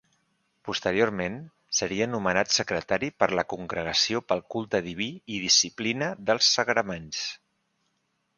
Posteriorment seria nomenat Secretari per la Congregació pel Culte Diví i Disciplina dels Sagraments.